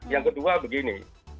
yang kedua begini